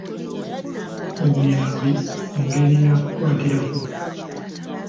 Obuyambi ngeri ya ku kwatirako.